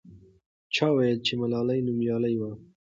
چا وویل چې ملالۍ نومیالۍ وه.